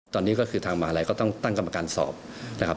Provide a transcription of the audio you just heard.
ตอนนี้ก็คือทางมหาลัยก็ต้องตั้งกรรมการสอบนะครับ